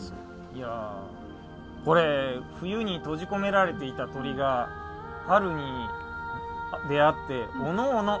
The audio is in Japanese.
いやこれ「冬に閉じ込められていた鳥が春に出会っておのおの」